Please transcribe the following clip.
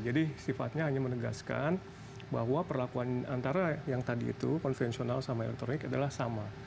jadi sifatnya hanya menegaskan bahwa perlakuan antara yang tadi itu konvensional sama elektronik adalah sama